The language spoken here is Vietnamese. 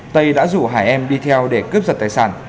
tây đã rủ hải em đi theo để cướp giật tài sản